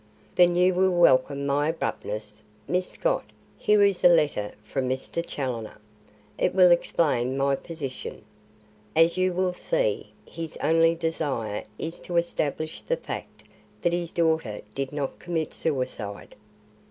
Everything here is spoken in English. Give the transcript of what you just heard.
"Then you will welcome my abruptness. Miss Scott, here is a letter from Mr. Challoner. It will explain my position. As you will see, his only desire is to establish the fact that his daughter did not commit suicide.